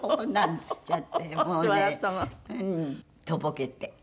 とぼけて。